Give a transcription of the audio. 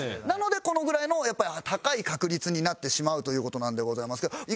なのでこのぐらいのやっぱり高い確率になってしまうという事なんでございますけど。